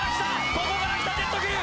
ここからきたジェット桐生